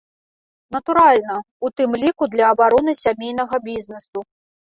Натуральна, у тым ліку для абароны сямейнага бізнесу.